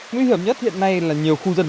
nguy hiểm nhất hiện nay là nhiều khu dân